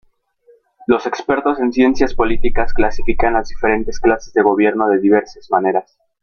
Los expertos en ciencias políticas clasifican las diferentes clases de Gobierno de diversas maneras.